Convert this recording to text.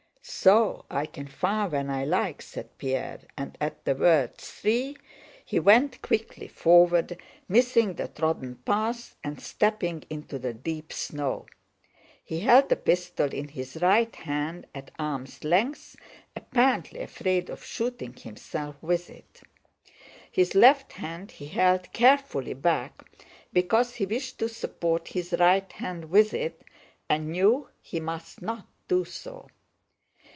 "So I can fire when I like!" said Pierre, and at the word "three," he went quickly forward, missing the trodden path and stepping into the deep snow. He held the pistol in his right hand at arm's length, apparently afraid of shooting himself with it. His left hand he held carefully back, because he wished to support his right hand with it and knew he must not do so.